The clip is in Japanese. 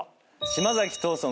島崎藤村